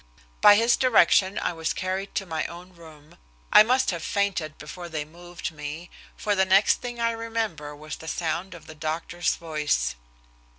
By his direction I was carried to my own room. I must have fainted before they moved me, for the next thing I remember was the sound of the doctor's voice.